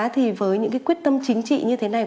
thì với những cái quyết tâm chính trị như thế này